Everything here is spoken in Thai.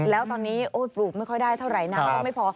แล้วตอนนี้ปลูกไม่ค่อยได้เท่าไหร่น้ำก็ไม่พอ